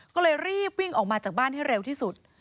ก็เลยรีบวิ่งออกมาจากบ้านให้เร็วที่สุด